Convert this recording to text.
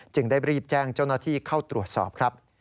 ได้รีบแจ้งเจ้าหน้าที่เข้าตรวจสอบครับ